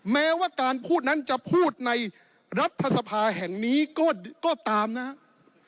แม้ว่าการพูดนั้นจะพูดในรัฐสภาแห่งนี้ก็ตามนะครับ